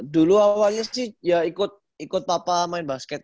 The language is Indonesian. dulu awalnya sih ya ikut papa main basket